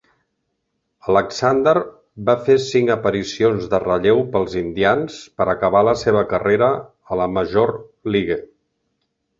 Alexander va fer cinc aparicions de relleu pels Indians per acabar la seva carrera a la Major League.